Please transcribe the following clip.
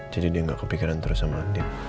jadi dia nggak kepikiran terus sama andin